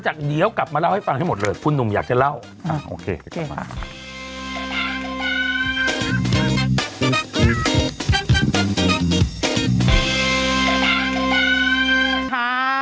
อยากเดี๋ยวกลับมาเล่าให้ฟังให้หมดเลยคุณหนุ่มอยากจะเล่าอ่าโอเคโอเคค่ะ